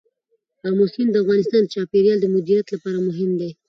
آمو سیند د افغانستان د چاپیریال د مدیریت لپاره مهم دی.